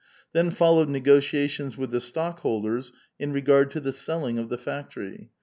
Then followed negotiations with the stockhold ers in regard to the selling of the factory.